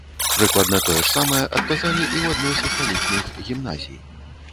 Прыкладна тое ж самае адказалі і ў адной са сталічных гімназій.